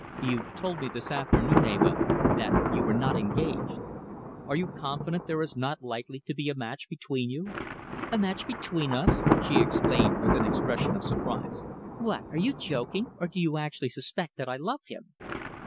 "You told me this afternoon, Eva, that you were not engaged. Are you confident there is not likely to be a match between you?" "A match between us!" she exclaimed with an expression of surprise. "What, are you joking, or do you actually suspect that I love him?"